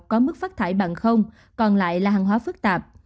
có mức phát thải bằng không còn lại là hàng hóa phức tạp